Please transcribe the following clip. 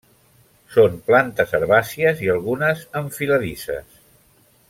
Són plantes herbàcies i algunes enfiladisses.